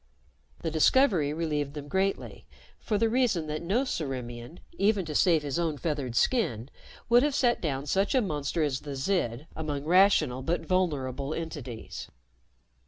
_ The discovery relieved them greatly for the reason that no Ciriimian, even to save his own feathered skin, would have set down such a monster as the Zid among rational but vulnerable entities.